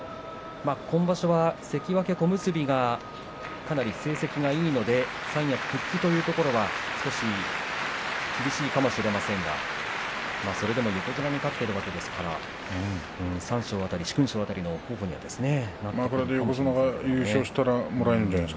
今場所は関脇、小結がかなり成績がいいので三役復帰というのは厳しいかもしれませんがそれでも横綱に勝っているわけですから三賞、殊勲賞辺りの候補にはですね。